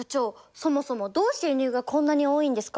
そもそもどうして輸入がこんなに多いんですか？